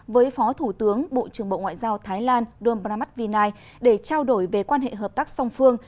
với phó thủ tướng bộ trưởng bộ ngoại giao thái lan đôn pramat vinay để trao đổi về quan hệ hợp tác song phương